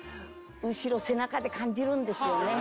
後ろ背中で感じるんですよね。